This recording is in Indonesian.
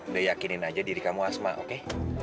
udah yakinin aja diri kamu asma oke